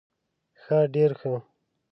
ښه ډير ښه